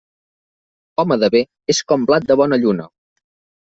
Home de bé és com blat de bona lluna.